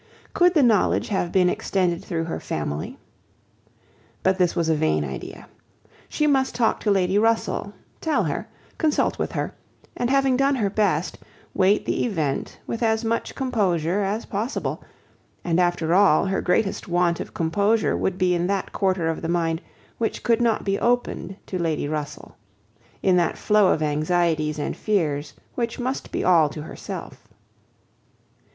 Could the knowledge have been extended through her family? But this was a vain idea. She must talk to Lady Russell, tell her, consult with her, and having done her best, wait the event with as much composure as possible; and after all, her greatest want of composure would be in that quarter of the mind which could not be opened to Lady Russell; in that flow of anxieties and fears which must be all to herself.